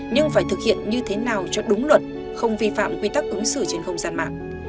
nhưng phải thực hiện như thế nào cho đúng luật không vi phạm quy tắc ứng xử trên không gian mạng